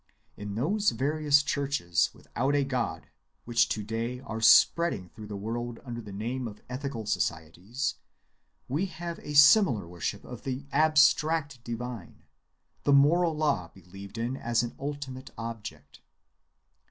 In those various churches without a God which to‐ day are spreading through the world under the name of ethical societies, we have a similar worship of the abstract divine, the moral law believed in as an ultimate object.